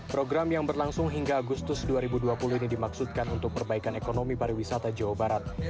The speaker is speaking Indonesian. program yang berlangsung hingga agustus dua ribu dua puluh ini dimaksudkan untuk perbaikan ekonomi pariwisata jawa barat